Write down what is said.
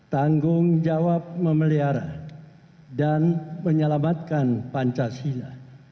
tanggung jawab memelihara dan menyelamatkan pancasila